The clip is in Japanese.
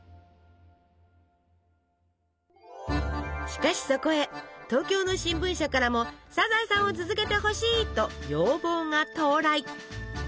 しかしそこへ東京の新聞社からも「サザエさん」を続けてほしいと要望が到来！